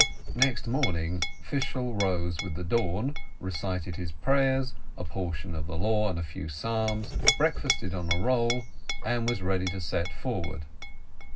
Next morning Fishel rose with the dawn, recited his prayers, a portion of the Law, and a few Psalms, breakfasted on a roll, and was ready to set forward.